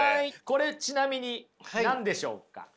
これちなみに何でしょうか？